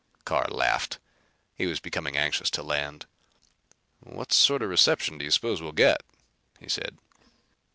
Carr laughed. He was becoming anxious to land. "What sort of a reception do you suppose we'll get?" he said.